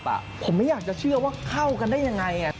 ผมไม่อยากจะเชื่อว่าเข้ากันได้ยังไง